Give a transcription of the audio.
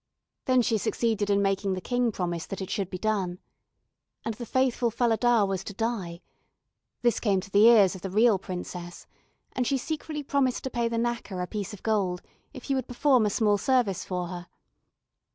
Then she succeeded in making the King promise that it should be done, and the faithful Falada was to die; this came to the ears of the real princess, and she secretly promised to pay the knacker a piece of gold if he would perform a small service for her.